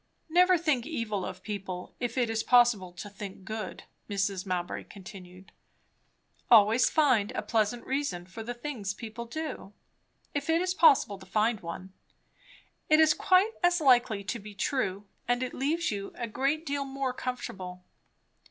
"Never think evil of people, if it is possible to think good," Mrs. Mowbray continued. "Always find a pleasant reason for the things people do, if it is possible to find one. It is quite as likely to be true, and it leaves you a great deal more comfortable."